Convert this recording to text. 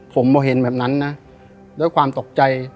ผมมาเห็นแบบนั้นนะด้วยความตกใจ